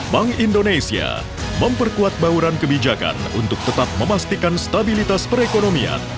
bank indonesia memperkuat bauran kebijakan untuk tetap memastikan stabilitas perekonomian